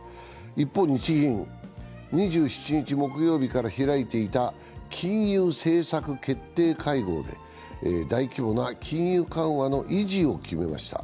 一方、日銀は２７日木曜日から開いていた金融政策決定会合で大規模な金融緩和の維持を決めました。